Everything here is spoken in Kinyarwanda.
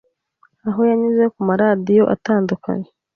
aho yanyuze ku maradiyo atandukanye